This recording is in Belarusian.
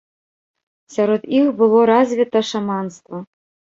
Сярод іх было развіта шаманства.